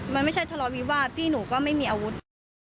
มันไม่ใช่ทะเลาวิวาสพี่หนูก็ไม่มีอาวุธ